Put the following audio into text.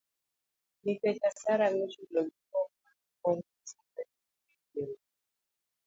Nikech osara michulo gi wuok mana kuom pesa ma jo limbe kelo.